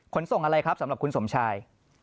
ขนส่งอะไรครับสำหรับคุณสมชาย